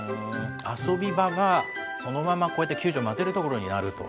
遊び場が、そのままこうやって救助を待てる所になると。